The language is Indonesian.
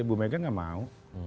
bu mega nggak mau